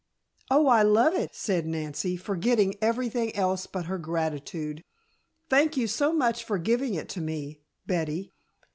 "Oh, I love it," said Nancy, forgetting everything else but her gratitude. "Thank you so much for giving it to me Betty."